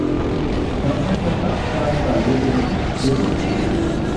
Sein erster Schachverein war "Lokomotive Plowdiw".